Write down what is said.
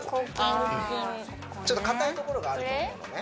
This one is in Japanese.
ちょっとかたいところがあるところね